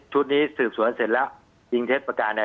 นี้สืบสวนเสร็จแล้วยิงเท็จประการใด